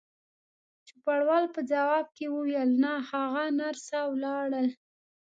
چوپړوال په ځواب کې وویل: نه، هغه نرسه ولاړل.